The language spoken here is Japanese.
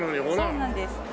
そうなんです。